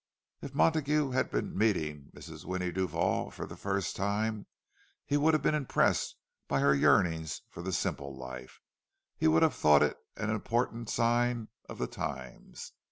If Montague had been meeting Mrs. Winnie Duval for the first time, he would have been impressed by her yearnings for the simple life; he would have thought it an important sign of the times.